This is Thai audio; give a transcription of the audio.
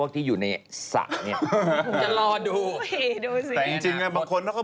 เลยอยู่นานหน่อย